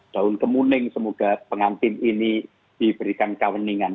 daun kemuning semoga pengantin ini diberikan kaweningan